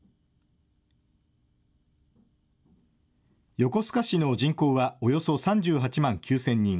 横須賀市の人口はおよそ３８万９０００人。